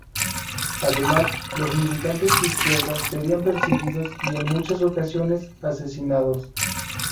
Además, los militantes de izquierda serían perseguidos y en muchas ocasiones, asesinados.